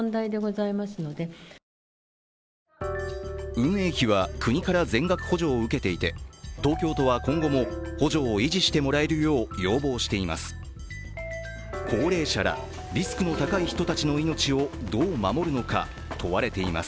運営費は国から全額補助を受けていて東京都は今後も補助を維持してもらえるよう要望しています。